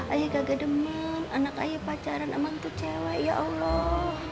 ayah gagal demam anak ayah pacaran amah itu cewek ya allah